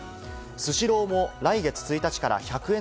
スシローも来月１日から１００円